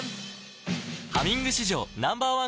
「ハミング」史上Ｎｏ．１抗菌